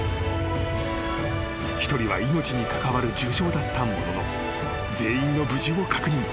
［一人は命に関わる重症だったものの全員の無事を確認］